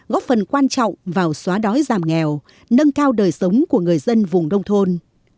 góp phần quan trọng vào xóa đói giảm nghèo nâng cao đời sống của người dân vùng nông thôn